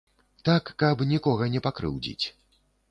Так, каб нікога не пакрыўдзіць.